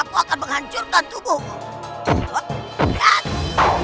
aku akan menghancurkan tubuhmu